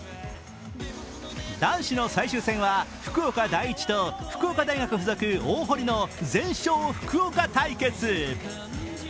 男子の最終戦は福岡第一と福岡大学附属大濠の全勝福岡対決。